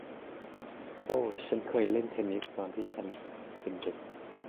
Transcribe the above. โอ้ ฉันเคยเล่นเทนนิสตอนที่ฉันเป็นเด็ก